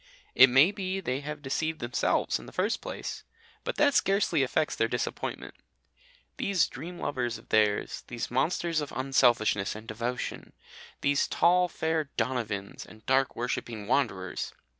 It may be they have deceived themselves, in the first place, but that scarcely affects their disappointment. These dream lovers of theirs, these monsters of unselfishness and devotion, these tall fair Donovans and dark worshipping Wanderers!